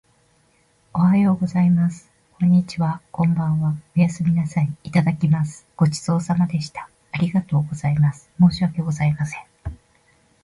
おはようございます。こんにちは。こんばんは。おやすみなさい。いただきます。ごちそうさまでした。ありがとうございます。申し訳ございません。